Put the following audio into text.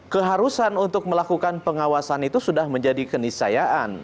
keharusan untuk melakukan pengawasan itu sudah menjadi kenisayaan